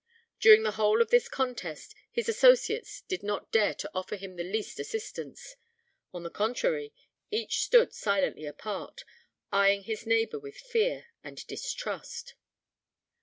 During the whole of this contest, his associates did not dare to offer him the least assistance: on the contrary, each stood silently apart, eyeing his neighbor with fear and distrust.